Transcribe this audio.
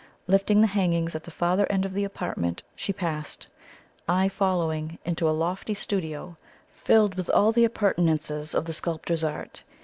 Lifting the hangings at the farther end of the apartment, she passed, I following, into a lofty studio, filled with all the appurtenances of the sculptor's art.